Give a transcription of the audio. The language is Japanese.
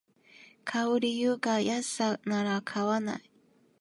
買う理由が安さなら買わない